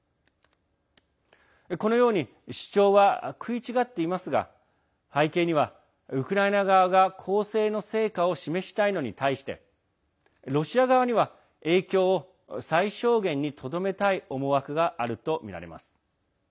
このように主張は食い違っていますが背景にはウクライナ側が攻勢の成果を示したいのに対してロシア側には影響を最小限にとどめたい思惑があるとみられます。